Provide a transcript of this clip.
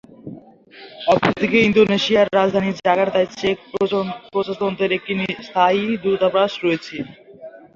অপরদিকে ইন্দোনেশিয়ার রাজধানী জাকার্তায় চেক প্রজাতন্ত্রের একটি স্থায়ী দূতাবাস রয়েছে।